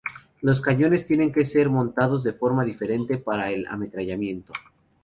Los cañones tienen que ser montados de forma diferente para el ametrallamiento.